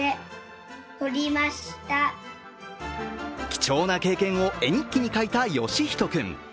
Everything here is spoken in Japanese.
貴重な経験を絵日記に書いた義仁君。